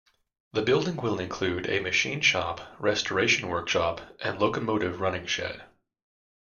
The building will include a machine shop, restoration workshop and locomotive running shed.